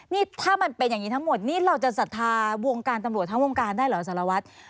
นี่ถ้ามันเป็นอย่างนี้ทั้งหมดนี่เราจะศรัทธาวงการตำรวจทั้งวงการได้เหรอสารวัตร